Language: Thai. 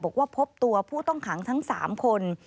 บอกว่าพบตัวผู้ต้องขังทั้ง๓คน